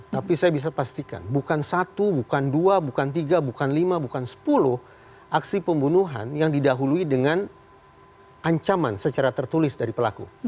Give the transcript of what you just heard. tapi saya bisa pastikan bukan satu bukan dua bukan tiga bukan lima bukan sepuluh aksi pembunuhan yang didahului dengan ancaman secara tertulis dari pelaku